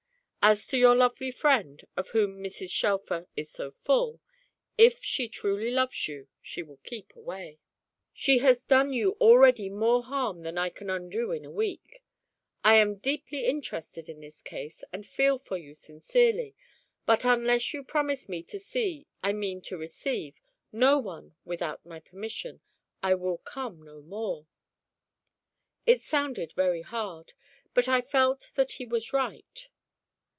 As to your lovely friend, of whom Mrs. Shelfer is so full, if she truly loves you, she will keep away. She has done you already more harm than I can undo in a week. I am deeply interested in this case, and feel for you sincerely; but unless you promise me to see I mean to receive no one without my permission, I will come no more." It sounded very hard, but I felt that he was right.